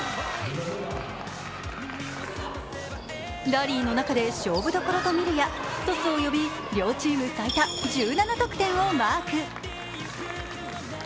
ラリーの中で勝負どころと見るや、トスを呼び、両チーム最多１７得点をマーク。